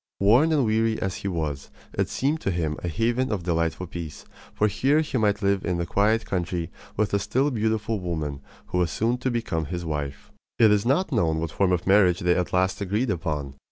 Worn and weary as he was, it seemed to him a haven of delightful peace; for here he might live in the quiet country with the still beautiful woman who was soon to become his wife. It is not known what form of marriage they at last agreed upon.